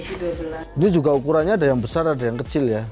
ini juga ukurannya ada yang besar ada yang kecil ya